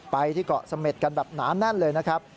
ไปที่เกาะเสม็ดกันแบบหนาแน่นเลยนะครับ